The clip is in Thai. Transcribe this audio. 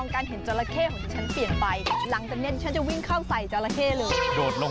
ก็คือผิดออย่อระจ้วย